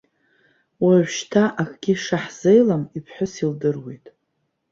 Уажәшьҭа акгьы шаҳзеилам иԥҳәыс илдыруеит.